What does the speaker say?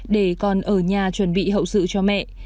để con ở nhà chuẩn bị hậu sự cho mẹ